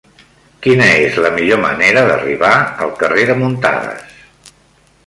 Quina és la millor manera d'arribar al carrer de Muntadas?